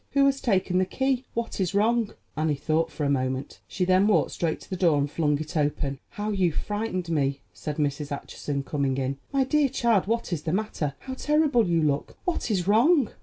"Who has taken the key? What is wrong?" Annie thought for a moment; she then walked straight to the door and flung it open. "How you frightened me," said Mrs. Acheson, coming in. "My dear child, what is the matter? How terrible you look! What is wrong?"